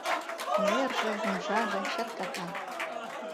Нерже, умшаже чатката.